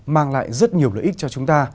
mang lại rất nhiều lợi ích cho chúng ta